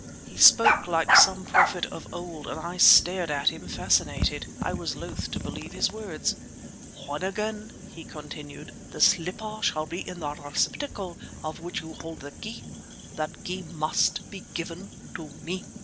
He spoke like some prophet of old and I stared at him fascinated. I was loth to believe his words. "When again," he continued, "the slipper shall be in the receptacle of which you hold the key, that key must be given to me!"